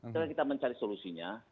sekarang kita mencari solusinya